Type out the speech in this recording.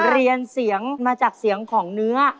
เรียนเสียงมาจากเสียงของเนื้อ